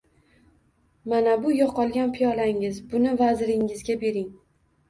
Mana bu yo‘qolgan piyolangiz, buni vaziringizga bering